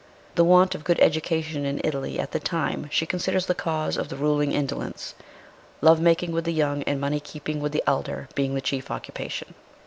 The want of good education in Italy at that time she considers the cause of the ruling indo lence, love making with the young and money keeping with the elder being the chief occupation.